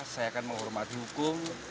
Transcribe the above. saya akan menghormati hukum